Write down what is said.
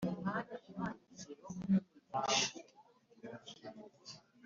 Ibinyabiziga ndakumirwa bigomba kugira itara ry'ubururu